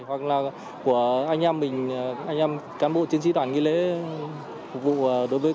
hoặc là của anh em mình anh em cán bộ chiến sĩ toàn nghiệp